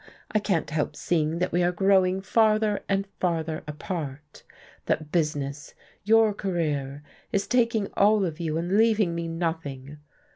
I can't help seeing that we are growing farther and farther apart, that business, your career, is taking all of you and leaving me nothing."